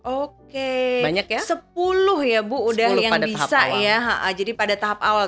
oke sepuluh ya bu udah yang bisa ya jadi pada tahap awal